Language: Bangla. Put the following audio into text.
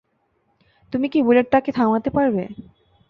তুমি কি বুলেটটাকে থামাতে পারবে?